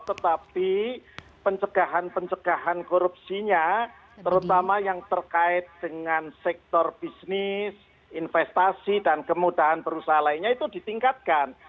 tetapi pencegahan pencegahan korupsinya terutama yang terkait dengan sektor bisnis investasi dan kemudahan berusaha lainnya itu ditingkatkan